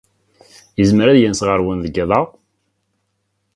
Yezmer ad yens ɣer-wen deg yiḍ-a?